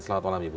selamat malam ibu